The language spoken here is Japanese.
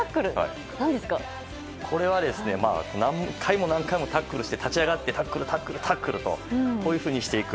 これは、何回も何回もタックルして、立ち上がってタックル、タックル、タックルとしていく。